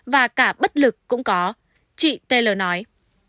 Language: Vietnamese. và cả bất lực cũng có chị taylor nói